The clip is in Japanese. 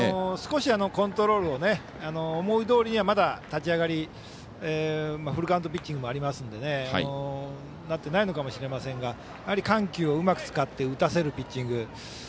少しコントロールを思いどおりには、まだ立ち上がりフルカウントピッチングもありますのでなってないのかもしれませんが緩急をうまく使って打たせるピッチング。